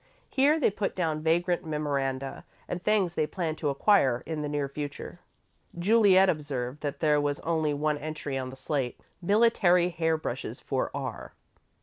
Here they put down vagrant memoranda and things they planned to acquire in the near future. Juliet observed that there was only one entry on the slate: "Military hair brushes for R."